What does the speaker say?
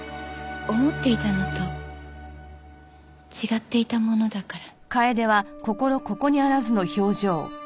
思っていたのと違っていたものだから。